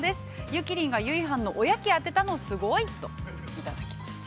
ゆきりんがゆいはんのおやきを当てたのすごいと、いただきました。